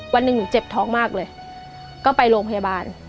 วันหนึ่งหนูเจ็บท้องมากเลยก็ไปโรงพยาบาล